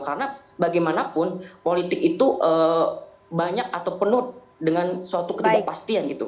karena bagaimanapun politik itu banyak atau penuh dengan suatu ketidakpastian gitu